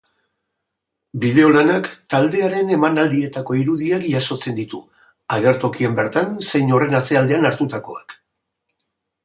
Bideolanak taldearen emanaldietako irudiak jasotzen ditu, agertokian bertan zein horren atzealdean hartutakoak.